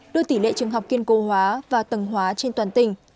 đưa tỷ lệ trường học kiên cố hóa và tầng hóa trên toàn tỉnh